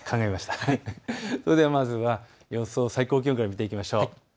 それではまずは予想最高気温から見ていきましょう。